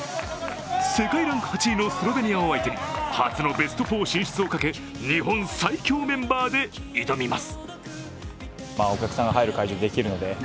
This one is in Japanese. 世界ランク８位のスロベニアを相手に初のベスト４進出をかけ日本最強メンバーで挑みます。